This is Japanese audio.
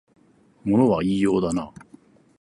物は言いようだなあ